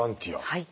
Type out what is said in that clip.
はい。